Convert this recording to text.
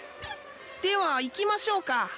では行きましょうか。